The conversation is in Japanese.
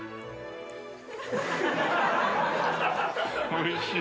おいしい。